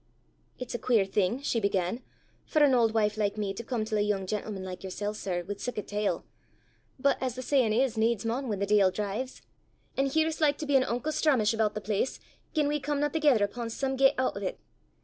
"It's a queer thing," she began, "for an auld wife like me to come til a yoong gentleman like yersel', sir, wi' sic a tale; but, as the sayin' is, 'needs maun whan the deil drives'; an' here's like to be an unco stramash aboot the place, gien we comena thegither upo' some gait oot o' 't.